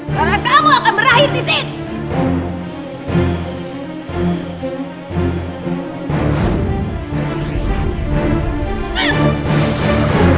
karena kamu akan berakhir disini